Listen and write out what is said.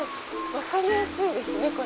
分かりやすいですね。